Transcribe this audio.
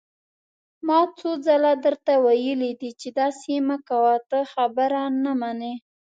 ما څو ځله درته ويلي دي چې داسې مه کوه، ته خبره نه منې!